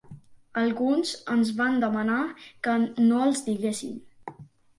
Alguns ens van demanar que no els diguéssim.